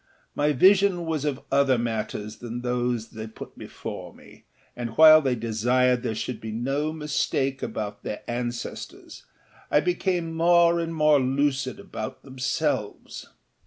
My vision was of other matters than those they put before me, and while they desired there should be no mistake about their ancestors I became more and more lucid about themselves.